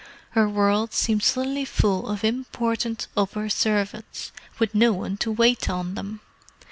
Her world seemed suddenly full of important upper servants, with no one to wait on them.